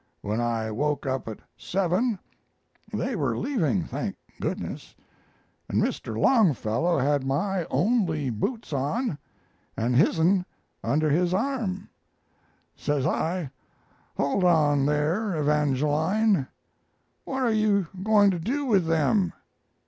When I woke at seven they were leaving, thank goodness, and Mr. Longfellow had my only boots on and his'n under his arm. Says I, 'Hold on there, Evangeline, what are you going to do with them?'